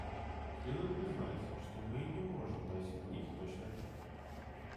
Следует признать, что мы не можем дать на них точный ответ.